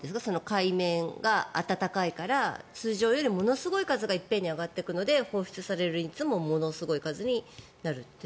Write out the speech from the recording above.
海面が暖かいから通常よりものすごい数がいっぺんに上がっていくので放出される熱もものすごいことになると。